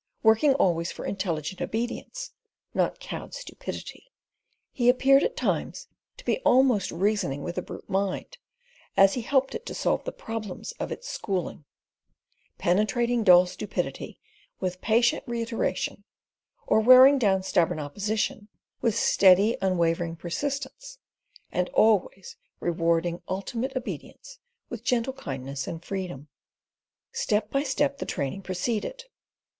Working always for intelligent obedience, not cowed stupidity, he appeared at times to be almost reasoning with the brute mind, as he helped it to solve the problems of its schooling; penetrating dull stupidity with patient reiteration, or wearing down stubborn opposition with steady, unwavering persistence, and always rewarding ultimate obedience with gentle kindness and freedom. Step by step, the training proceeded.